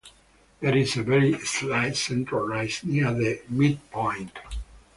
There is a very slight central rise near the midpoint.